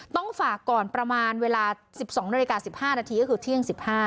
ต้องฝากก่อนประมาณเวลา๑๒นาฬิกา๑๕นาทีก็คือเที่ยง๑๕